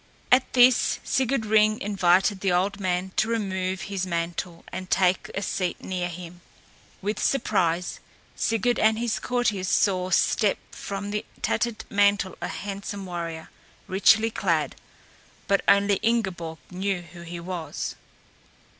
At this Sigurd Ring invited the old man to remove his mantle and take a seat near him. With surprise Sigurd and his courtiers saw step from the tattered mantle a handsome warrior, richly clad; but only Ingeborg knew who he was.